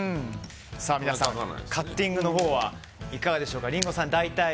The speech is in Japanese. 皆さん、カッティングのほうはいかがでしょうか。